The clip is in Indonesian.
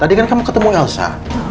tadi kan kamu ketemu elsa